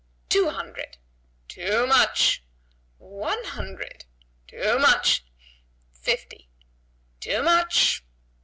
"Two hundred." "Too much!" "One hundred." "Too much!" "Fifty." "Too much!"